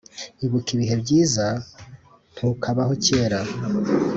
ibuka ibihe byiza ntukabaho kera.